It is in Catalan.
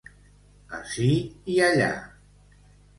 Ací i allà.